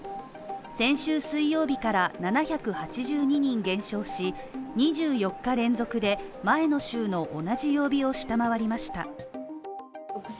先週水曜日から７８２人減少し２４日連続で前の週の同じ曜日を下回りました